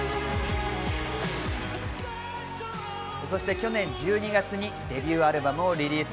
去年１２月にデビューアルバムをリリース。